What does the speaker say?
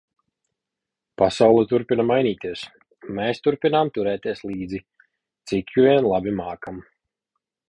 Pasaule turpina mainīties, mēs turpinām turēties līdzi, cik vien labi mākam.